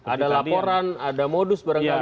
ada laporan ada modus barangkali